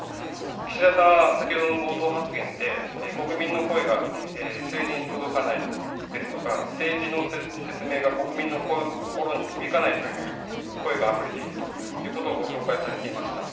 岸田さんは先ほどの冒頭発言で、国民の声が政治に届かないですとか、政治の説明が国民の心に響かないという声があふれているということをご紹介されていました。